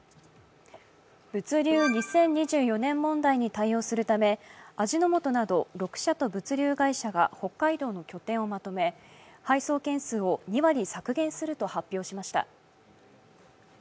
物流２０２４年問題に対応するため味の素など６社と物流会社が北海道の拠点をまとめ配送件数を２割削減すると発表しました。